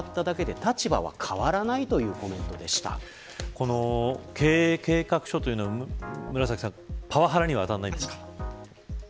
この経営計画書というのは村嵜さん、パワハラには当たらないんですか。